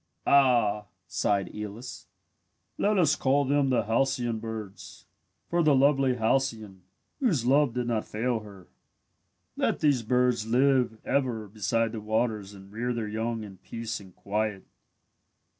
"Ah," sighed Aeolus, "let us call them the halcyon birds, for the lovely Halcyone, whose love did not fail her. "Let these birds live ever beside the waters and rear their young in peace and quiet.